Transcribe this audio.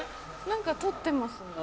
何か撮ってますね。